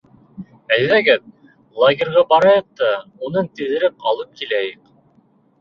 — Әйҙәгеҙ, лагерға барайыҡ та уны тиҙерәк алып киләйек.